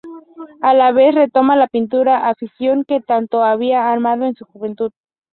A la vez, retoma la pintura, afición que tanto había amado en su juventud.